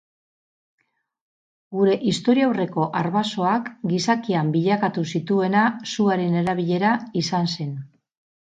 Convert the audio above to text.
Gure historiaurreko arbasoak gizakian bilakatu zituena suaren erabilera izan zen.